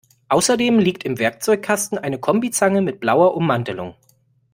Außerdem liegt im Werkzeugkasten eine Kombizange mit blauer Ummantelung.